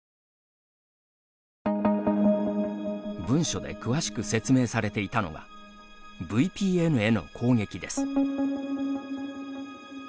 文書で詳しく説明されていたのが「ＶＰＮ」への攻撃です。